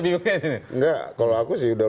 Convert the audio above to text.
bingungnya ini enggak kalau aku sih sudah